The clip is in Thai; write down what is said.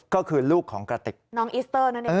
ก็คือลูกของกระติกน้องอิสเตอร์